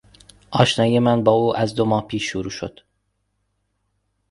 آشنایی من با او از دو ماه پیش شروع شد.